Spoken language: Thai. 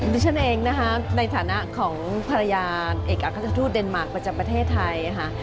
ดิฉันเองนะคะในฐานะของภรรยาเอกอัครราชทูตเดนมาร์คประจำประเทศไทยค่ะ